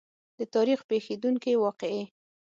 د تاریخ پېښېدونکې واقعې.